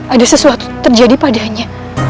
ada sesuatu terjadi padanya